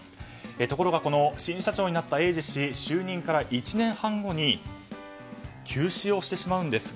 ところが新社長になった英司氏就任から１年半後に急死をしてしまうんです。